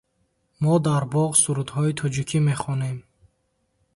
Мо дар боғ сурудҳои тоҷикӣ мехонем.